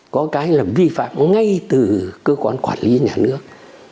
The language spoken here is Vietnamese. có cái là vi phạm ngay từ cơ quan quản lý nhà nước